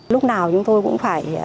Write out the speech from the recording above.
lúc nào chúng tôi cũng phải đoàn kết